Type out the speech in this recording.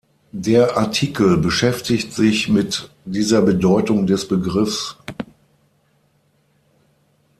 Der Artikel beschäftigt sich mit dieser Bedeutung des Begriffs.